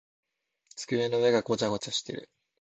机の上がごちゃごちゃしている。